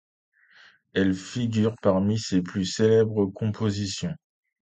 Elle figure parmi ses plus célèbres compositions.